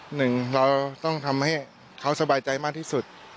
หนึ่งเราต้องทำให้เขาสบายใจมากที่สุด